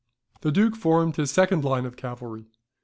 The Duke formed his second line of cavalry.